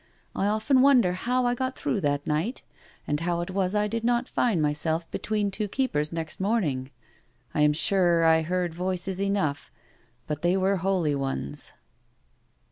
I often wonder how I got through that night, and how it was I did not find myself between two keepers next morning. I am sure I heard voices enough, but they were holy ones.'